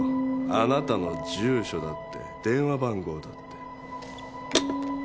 あなたの住所だって電話番号だって。